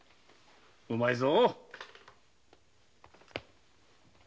うまいぞ。